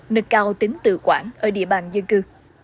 nâng cao tính tự quản ở địa bàn dân cư